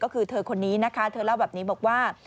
ก็คือเธอคนนี้นะคะเธอเล่าแบบนี้บอกว่า